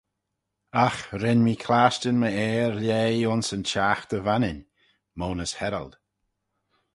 Agh ren mee clashtyn my Ayr lheih ayns yn chaghter vannin (monas herald).